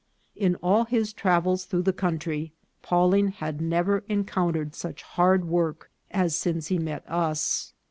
In all his travels through the country Pawling had never encountered such hard work as since he met us.